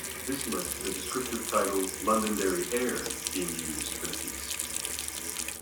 This led to the descriptive title "Londonderry Air" being used for the piece.